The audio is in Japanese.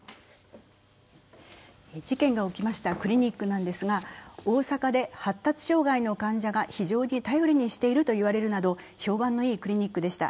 事件が起きましたクリニックなんですが大阪で発達障害の患者が非常に頼りにしているといわれるなど評判のいいクリニックでした。